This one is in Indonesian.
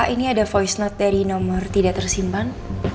ini ada voice note dari nomor tidak tersimpan